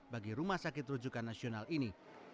bagi rumah sakit rujukan nasional ini